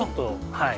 はい。